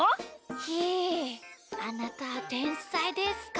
ひーあなたてんさいですか？